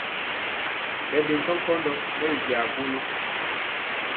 Ɓɛ ɗe ŋgondɔ nkɔndɔ nɛ binkyegɔlɔ.